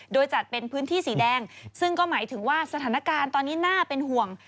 โดยจัดเป็นพื้นที่สีแดงซึ่งก็หมายถึงว่าสถานการณ์ตอนนี้น่าเป็นห่วง